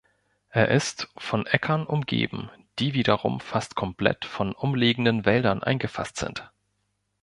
Er ist von Äckern umgeben, die wiederum fast komplett von umliegenden Wäldern eingefasst sind.